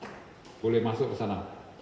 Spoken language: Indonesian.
jadi boleh masuk ke sana